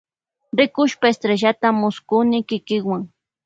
Rikushpa estrellata mullkuni kikiwa.